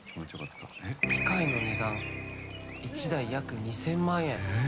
機械の値段１台、約２０００万円。